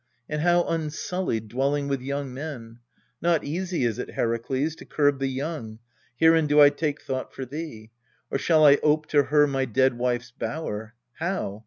And how unsullied, dwelling with young men ? Not easy is it, Herakles, to curb The young : herein do I take thought for thee. Or shall I ope to her my dead wife's bower? How